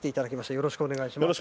よろしくお願いします。